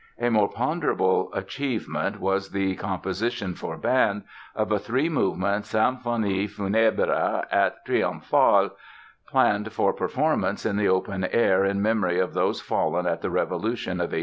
A more ponderable achievement was the composition for band of a three movement "Symphonie funèbre et triomphale", planned for performance in the open air in memory of those fallen in the Revolution of 1830.